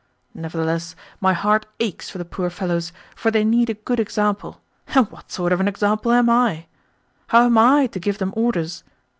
Nevertheless my heart aches for the poor fellows, for they need a good example, and what sort of an example am I? How am I to give them orders?